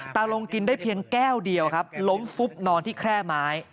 ลงกินได้เพียงแก้วเดียวครับล้มฟุบนอนที่แคร่ไม้